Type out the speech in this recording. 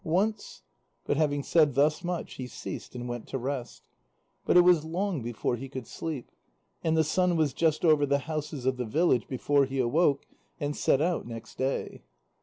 Once...." But having said thus much, he ceased, and went to rest. But it was long before he could sleep. And the sun was just over the houses of the village before he awoke and set out next day.